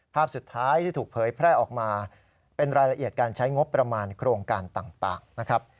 ภาพสุดท้ายที่ถูกเผยแพร่ออกมาเป็นรายละเอียดการใช้งบประมาณโครงการต่างนะครับ